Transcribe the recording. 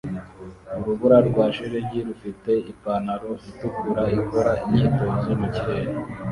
Urubura rwa shelegi rufite ipantaro itukura ikora imyitozo mu kirere